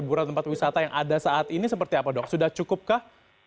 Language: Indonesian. di sejumlah tempat hiburan tempat wisata yang ada saat ini seperti apa dok sudah cukup kah